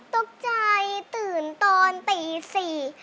ตกใจตื่นตอนตีสี่